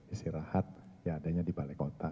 istirahat ya adanya di balai kota